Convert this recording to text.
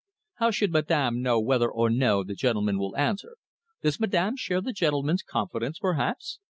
"How should Madame know whether or no the gentleman will answer? Does Madame share the gentleman's confidence, perhaps?"